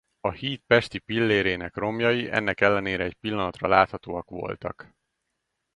A híd pesti pillérének romjai ennek ellenére egy pillanatra láthatóak voltak.